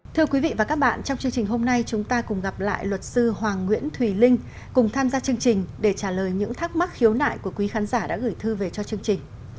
thưa quý vị và các bạn trong chương trình hôm nay chúng ta cùng gặp lại luật sư hoàng nguyễn thùy linh cùng tham gia chương trình để trả lời những thắc mắc khiếu nại của quý khán giả đã gửi thư về cho chương trình